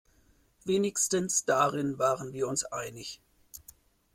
Wenigstens darin waren wir uns einig.